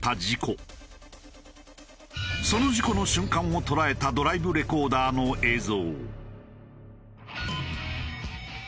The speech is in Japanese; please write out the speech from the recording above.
その事故の瞬間を捉えたドライブレコーダーの映像。